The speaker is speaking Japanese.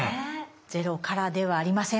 ゼロからではありません。